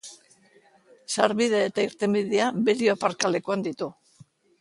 Sarbide eta irtenbidea Berio aparkalekuan ditu.